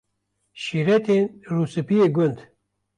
Şîretên Rûspiyê Gund